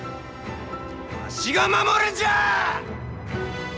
わしが守るんじゃ！